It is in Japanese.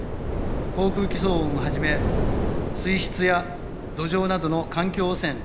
航空機騒音をはじめ水質や土壌等の環境汚染